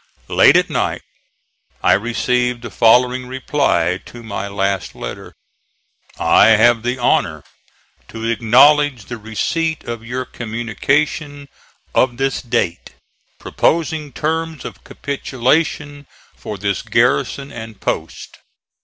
Late at night I received the following reply to my last letter: "I have the honor to acknowledge the receipt of your communication of this date, proposing terms of capitulation for this garrison and post.